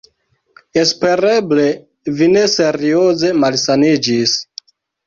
Espereble vi ne serioze malsaniĝis.